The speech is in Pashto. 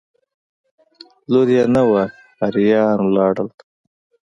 لور یې نه وه اریان ولاړل.